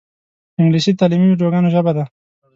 انګلیسي د تعلیمي ویدیوګانو ژبه ده